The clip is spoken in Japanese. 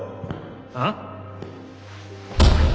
あっ？